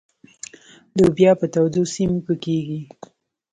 لوبیا په تودو سیمو کې کیږي.